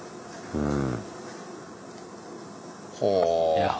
うん。